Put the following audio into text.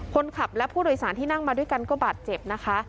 คนขับและผู้โดยสารที่นั่งมาด้วยกันก็บาดเจ็บนะคะ